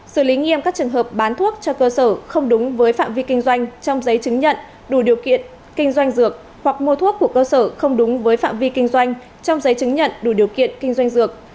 xử lý nghiêm các trường hợp bán thuốc cho cơ sở không đúng với phạm vi kinh doanh trong giấy chứng nhận đủ điều kiện kinh doanh dược hoặc mua thuốc của cơ sở không đúng với phạm vi kinh doanh trong giấy chứng nhận đủ điều kiện kinh doanh dược